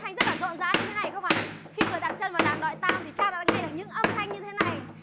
khi vừa đặt chân vào làng đoại tam thì chắc đã nghe được những âm thanh như thế này